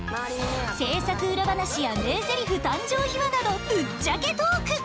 制作ウラ話や名ゼリフ誕生秘話などぶっちゃけトーク！